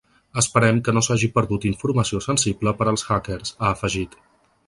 Esperem que no s’hagi perdut informació sensible per als hackers, ha afegit.